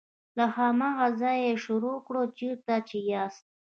له هماغه ځایه یې شروع کړه چیرته چې یاست.